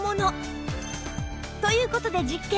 という事で実験